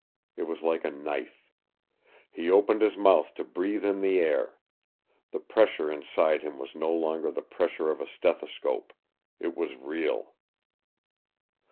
It was like a knife. He opened his mouth to breathe in the air. The pressure inside him was no longer the pressure of a stethoscope. It was real.